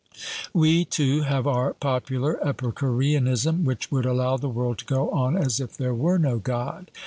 We too have our popular Epicureanism, which would allow the world to go on as if there were no God.